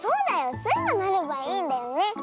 スイがなればいいんだよね！